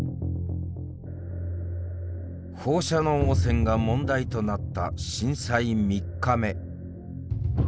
放射能汚染が問題となった震災３日目。